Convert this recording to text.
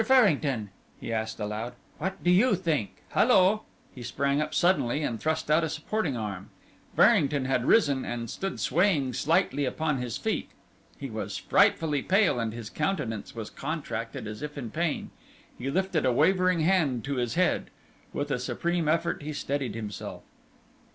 Farrington," he asked aloud, "what do you think hallo!" He sprang up suddenly and thrust out a supporting arm. Farrington had risen, and stood swaying slightly upon his feet. He was frightfully pale, and his countenance was contracted as if in pain. He lifted a wavering hand to his head. With a supreme effort he steadied himself.